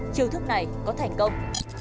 chiều thức này có thành công